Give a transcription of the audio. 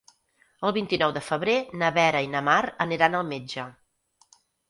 El vint-i-nou de febrer na Vera i na Mar aniran al metge.